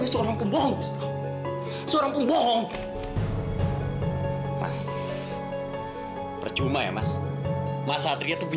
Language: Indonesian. tidak ada seseorang secara android ni mas